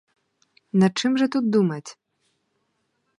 Над чим же тут думать?